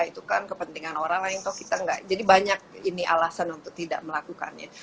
itu kan kepentingan orang lain kok kita enggak jadi banyak ini alasan untuk tidak melakukannya